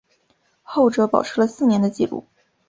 后者保持了四年的纪录。